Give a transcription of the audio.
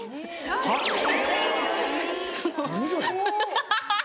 ハハハハハ！